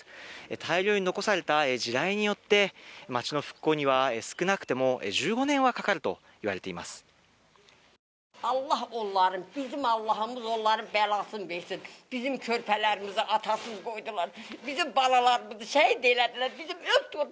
大量に残された地雷によって街の復興には少なくとも１５年はかかるといわれています。